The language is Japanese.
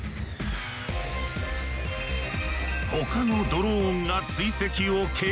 他のドローンが追跡を継続。